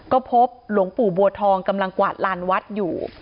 ก็พบหลวงปู่บัวทองกำลังกวาดลานวัดอยู่